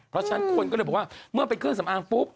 เพราะฉะนั้นคนก็เลยบอกว่าเมื่อเป็นเครื่องสำอางปุ๊บ